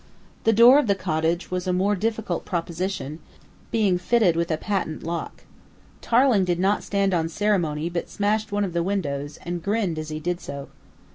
The door of the cottage was a more difficult proposition, being fitted with a patent lock. Tarling did not stand on ceremony, but smashed one of the windows, and grinned as he did so.